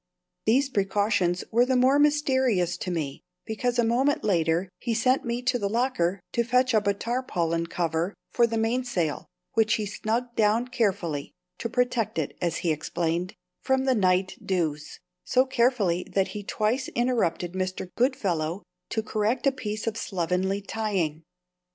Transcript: These precautions were the more mysterious to me because a moment later he sent me to the locker to fetch up a tarpaulin cover for the mainsail, which he snugged down carefully, to protect it (as he explained) from the night dews so carefully that he twice interrupted Mr. Goodfellow to correct a piece of slovenly tying.